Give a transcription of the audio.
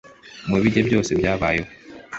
Mu bige byose byabayeho